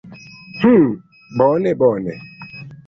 "Hm, bone bone."